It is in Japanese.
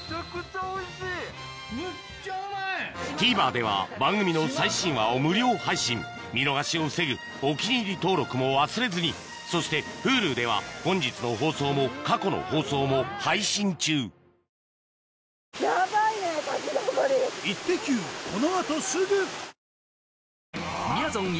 ＴＶｅｒでは番組の最新話を無料配信見逃しを防ぐ「お気に入り」登録も忘れずにそしてＨｕｌｕでは本日の放送も過去の放送も配信中健康診断？